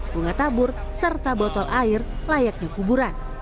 bunga tabur serta botol air layaknya kuburan